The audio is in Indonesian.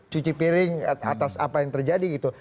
cuci piring atas apa yang terjadi gitu